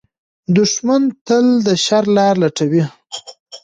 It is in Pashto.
دښمن تل د شر لارې لټوي